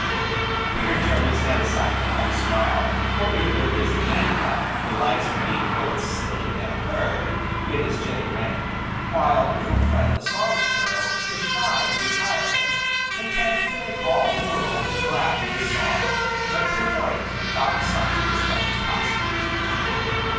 Peter turned his head aside to hide a smile, for if there is anybody who delights in being both seen and heard it is Jenny Wren, while Little Friend the Song Sparrow is shy and retiring, content to make all the world glad with his song, but preferring to keep out of sight as much as possible.